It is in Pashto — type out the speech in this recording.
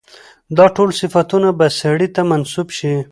دا ټول صفتونه به سړي ته منسوب شي.